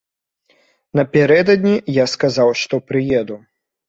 Напярэдадні я сказаў, што прыеду.